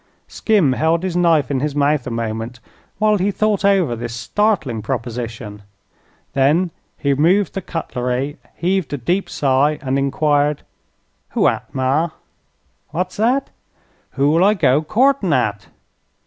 Skim held his knife in his mouth a moment while he thought over this startling proposition. Then he removed the cutlery, heaved a deep sigh, and enquired: "Who at, ma?" "What's that?" "Who'll I go courtin' at?"